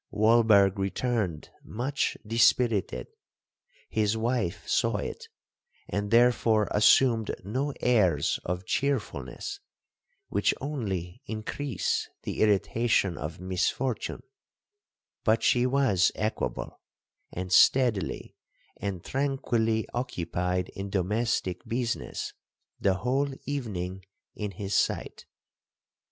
Walberg returned much dispirited;—his wife saw it, and therefore assumed no airs of cheerfulness, which only increase the irritation of misfortune, but she was equable, and steadily and tranquilly occupied in domestic business the whole evening in his sight.